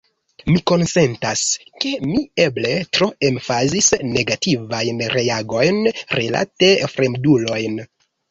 Mi konsentas, ke mi eble tro emfazis negativajn reagojn rilate fremdulojn.